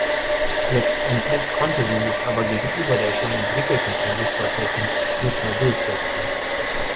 Letztendlich konnte sie sich aber gegenüber der schon entwickelten Transistortechnik nicht mehr durchsetzen.